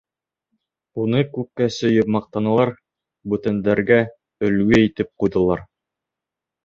Уны күккә сөйөп маҡтанылар, бүтәндәргә өлгө итеп ҡуйҙылар.